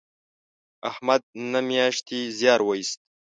احمد نهه میاشتې زیار و ایست